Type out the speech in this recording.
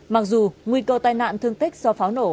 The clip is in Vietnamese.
mặc dù nguy cơ tai nạn thương tích do pháo nổ